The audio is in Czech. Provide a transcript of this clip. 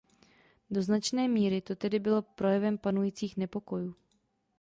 Do značné míry to tedy bylo projevem panujících nepokojů.